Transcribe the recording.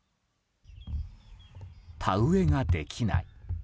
田植えができない。